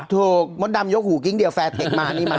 มดดำยกหูกิ้งเดียวแฟร์เทคมานี่มา